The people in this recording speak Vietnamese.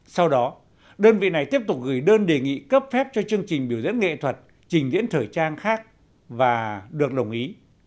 sau đó đơn vị này tiếp tục gửi đơn đề nghị cấp phép cho chương trình biểu diễn nghệ thuật trình diễn thời trang khác và được đồng ý